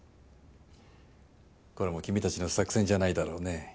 これも君たちの作戦じゃないだろうね？